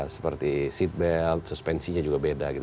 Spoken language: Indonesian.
seperti seat belt suspensinya juga beda gitu